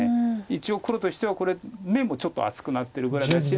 一応黒としてはこれ眼もちょっと厚くなってるぐらいだし